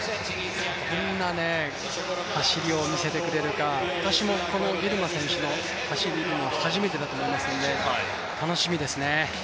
どんな走りを見せてくれるか私もギルマ選手の走りを見るのは初めてだと思いますので楽しみですね。